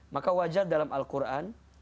maka wajar dalam al quran